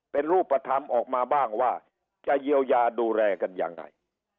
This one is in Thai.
เป็นรูปธรรมออกมาบ้างว่าจะเยียวยาดูแลกันยังไง